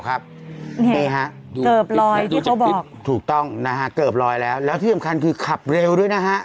เกิบรอยที่เขาบอกถูกต้องนะฮะเกิบรอยแล้วแล้วที่อำคัญคือขับเร็วด้วยนะฮะ